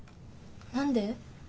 何で？